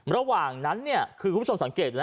ระหว่างนั้นคือคุณผู้ชมสังเกตอยู่นะ